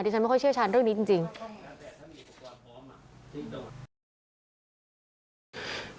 ดิฉันไม่ค่อยเชื่อฉันเรื่องนี้จริงจริง